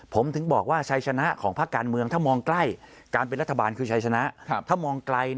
ผมถึงบอกว่าชัยชนะของภาคการเมืองถ้ามองใกล้การเป็นรัฐบาลคือชัยชนะถ้ามองไกล